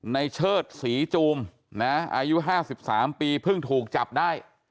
เชิดศรีจูมอายุ๕๓ปีเพิ่งถูกจับได้